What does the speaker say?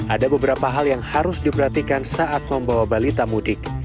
ada beberapa hal yang harus diperhatikan saat membuat mudik